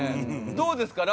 どうですか？